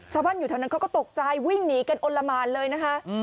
คนอยู่ทางนั้นเขาก็ตกใจวิ่งหนีกันอ้นละมานเลยนะคะ